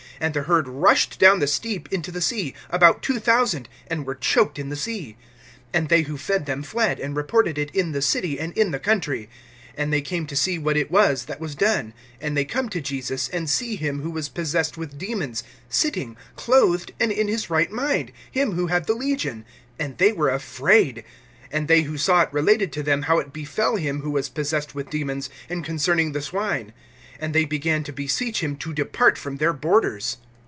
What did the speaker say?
And the herd rushed down the steep into the sea, about two thousand, and were choked in the sea. (14)And they who fed them fled, and reported it in the city and in the country. And they came to see what it was that was done. (15)And they come to Jesus, and see him who was possessed with demons, sitting, clothed and in his right mind, him who had the legion, and they were afraid. (16)And they who saw it related to them how it befell him who was possessed with demons, and concerning the swine. (17)And they began to beseech him to depart from their borders.